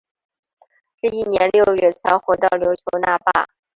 至翌年六月才回到琉球那霸。